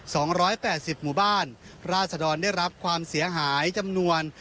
สองร้อยแปดสิบหมู่บ้านราศดรได้รับความเสียหายจำนวน